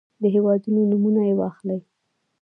د هېوادونو نومونه يې واخلئ.